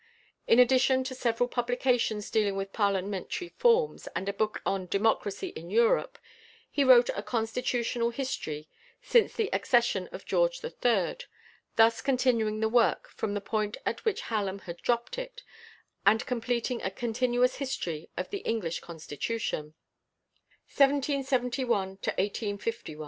In addition to several publications dealing with Parliamentary forms, and a book on "Democracy in Europe," he wrote a "Constitutional History since the Accession of George III.," thus continuing the work from the point at which Hallam had dropped it, and completing a continuous history of the English Constitution.